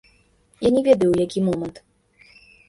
Я не ведаю, у які момант.